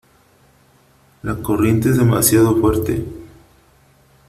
la corriente es demasiado fuerte .